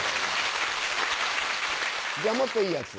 じゃあもっといいやつ。